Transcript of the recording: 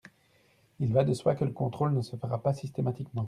Il va de soi que le contrôle ne se fera pas systématiquement.